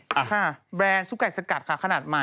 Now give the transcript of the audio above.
ค่ะแบรนด์ซุปไก่สกัดค่ะขนาดใหม่